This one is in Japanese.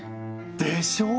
でしょう？